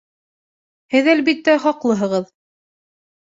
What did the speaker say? Һеҙ, әлбиттә, хаҡлыһығыҙ.